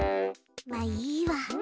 まっいいわ。